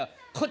こっち